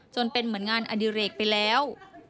เหมือนเป็นเหมือนงานอดิเรกไปแล้ว